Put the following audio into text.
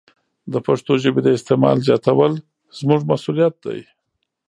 د پښتو ژبې د استعمال زیاتول زموږ مسوولیت دی.